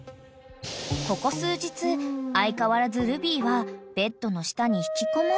［ここ数日相変わらずルビーはベッドの下に引きこもり］